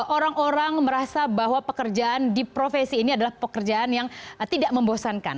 orang orang merasa bahwa pekerjaan di profesi ini adalah pekerjaan yang tidak membosankan